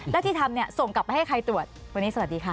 แล้วที่ทำเนี่ยส่งกลับไปให้ใครตรวจวันนี้สวัสดีค่ะ